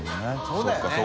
そうだよね。